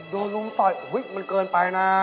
โดนลุ้มต่อยอุ๊ยมันเกินไปนะ